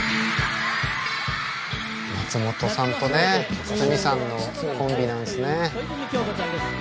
松本さんとね筒美さんのコンビなんですね。